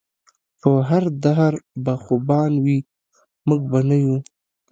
پۀ هر دهر به خوبان وي مونږ به نۀ يو